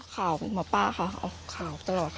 ข่าวหมอป้าค่ะข่าวตลอดค่ะ